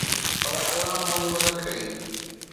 پر الله منهنجي مدد ڪئي